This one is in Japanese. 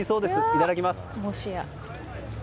いただきます。